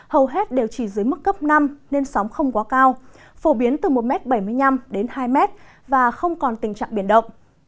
hầu hết đều chỉ dưới mức cấp năm nên sóng không quá cao phổ biến từ một bảy mươi năm m đến hai m và không còn tình trạng biển động